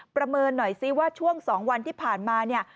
ประเมินหน่อยซิว่าช่วง๒วันที่ผ่านมาเนี่ย